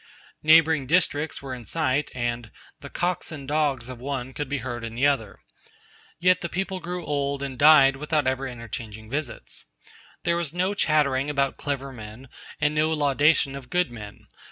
Neighbouring districts were in sight, and 'the cocks and dogs of one could be heard in the other,' yet the people grew old and died without ever interchanging visits. There was no chattering about clever men, and no laudation of good men.